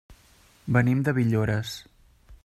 Venim de Villores.